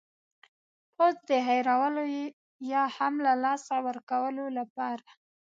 پوځ د هېرولو یا هم له لاسه ورکولو لپاره.